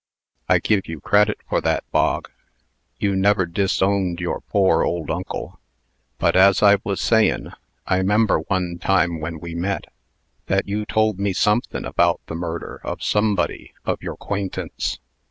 "I give you credit for that, Bog. You never disowned your poor old uncle. But, as I was sayin', I 'member one time when we met, that you told me somethin' about the murder of somebody of your 'quaintance.